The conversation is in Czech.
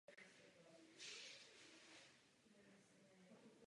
Znak děkanství je odvozen od osobního erbu arcibiskupa.